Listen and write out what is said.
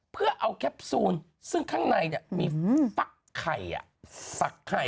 เพื่อเอาแคปซูลซึ่งข้างในมีฟักไข่ฟักไข่